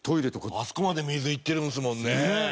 あそこまで水いってるんですもんね。